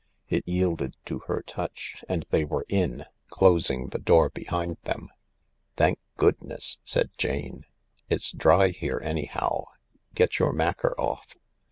It yielded to her touch and they were in, closing the door behind them. "Thank goodness I " said Jane. " It's dry here, anyhow. Get your macker off."